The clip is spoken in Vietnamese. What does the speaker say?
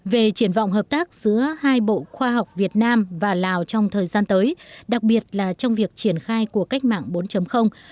về triển vọng hợp tác giữa hai bộ khoa học việt nam và lào trong thời gian tới đặc biệt là trong việc triển khai của cách mạng bốn